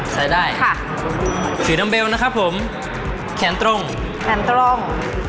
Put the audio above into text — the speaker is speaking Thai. ใช้ได้ค่ะถือดัมเบลหน่าครับผมแขนตรงแขนตรง